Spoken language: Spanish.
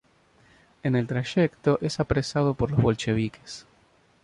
En el trayecto es apresado por los bolcheviques.